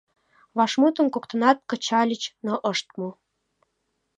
Вашмутым коктынат кычальыч, но ышт му.